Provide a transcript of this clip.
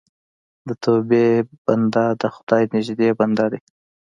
د توبې بنده د خدای نږدې بنده دی.